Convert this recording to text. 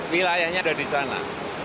wilayahnya ada di sana